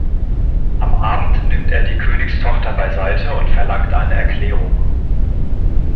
Am Abend nimmt er die Königstochter beiseite und verlangt eine Erklärung.